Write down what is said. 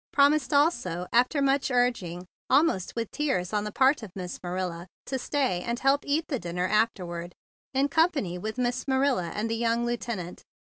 Promised also, after much urging, almost with tears on the part of Miss Marilla, to stay and help eat the dinner afterward in company with Miss Marilla and the young lieutenant.